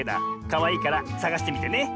かわいいからさがしてみてね！